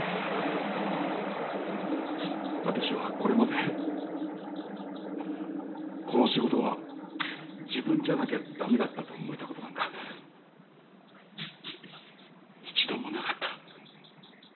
私はこれまでこの仕事は自分じゃなきゃ駄目だったと思えたことなんかい一度もなかった。